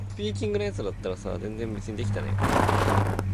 According to an interview, "I almost didn't read for "Twilight".